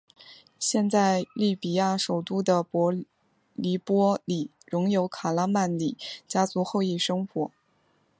现在利比亚首都的黎波里仍有卡拉曼里家族后裔生活。